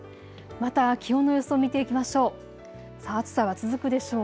また気温の予想、見ていきましょう。